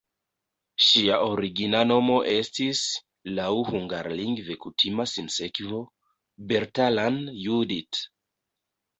Ŝia origina nomo estis (laŭ hungarlingve kutima sinsekvo) "Bertalan Judit".